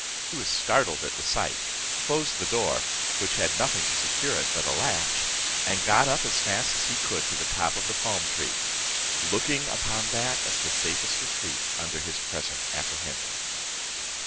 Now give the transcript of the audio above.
He was startled at the sight, closed the door, which had nothing to secure it but a latch, and got up as fast as he could to the top of the palm tree; looking upon that as the safest retreat under his present apprehensions.